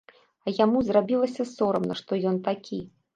А яму зрабілася сорамна, што ён такі.